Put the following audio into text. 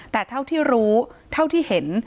แต่เท่าที่รู้เท่าที่เห็น